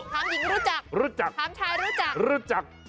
ถามหญิงรู้จักรู้จักถามชายรู้จักรู้จัก